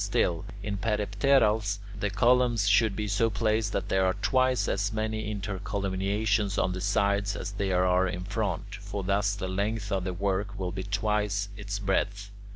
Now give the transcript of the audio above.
Still, in peripterals, the columns should be so placed that there are twice as many intercolumniations on the sides as there are in front; for thus the length of the work will be twice its breadth.